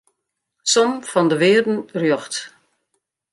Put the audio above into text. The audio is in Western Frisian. Som fan de wearden rjochts.